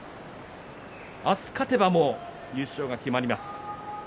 明日勝てば優勝が決まります。